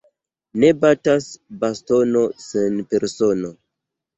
Ne batas bastono sen persono.